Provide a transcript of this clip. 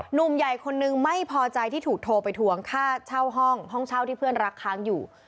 หนุ่มใหญ่คนนึงไม่พอใจที่ถูกโทรไปทวงค่าเช่าห้องห้องเช่าที่เพื่อนรักค้างอยู่